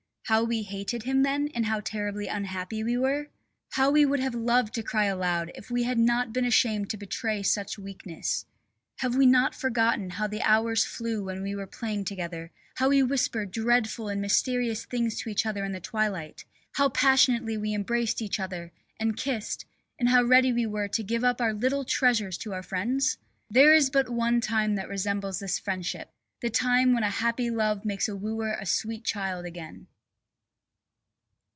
How we hated him then and how terribly unhappy we were? How we would have loved to cry aloud, if we had not been ashamed to betray such weakness. Have we forgotten how the hours flew when we were playing together, how we whispered dreadful and mysterious things to each other in the twilight, how passionately we embraced each other, and kissed, and how ready we were to give up our little treasures to our friends? There is but one time that resembles this friendship: the time when a happy love makes a wooer a sweet child again.